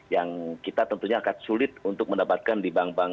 yang kita tentunya akan sulit untuk mendapatkan di bank bank